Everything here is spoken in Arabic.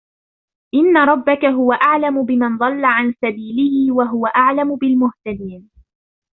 إن ربك هو أعلم بمن ضل عن سبيله وهو أعلم بالمهتدين